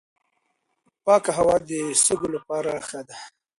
پاکه هوا د سږو لپاره ښه ده.